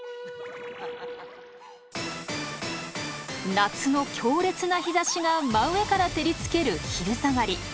夏の強烈な日ざしが真上から照りつける昼下がり。